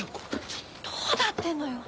どうなってんのよ？